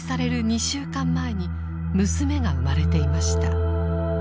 ２週間前に娘が生まれていました。